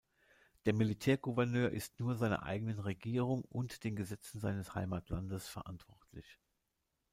Der Militärgouverneur ist nur seiner eigenen Regierung und den Gesetzen seines Heimatlandes verantwortlich.